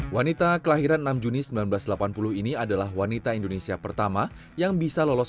wanita kelahiran enam juni seribu sembilan ratus delapan puluh ini adalah wanita indonesia pertama yang bisa lolos